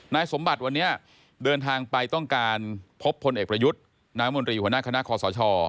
นายสมบัติวันนี้เดินทางไปต้องการพบพลเอกประยุทธ์นามนตรีหัวหน้าคณะคอสช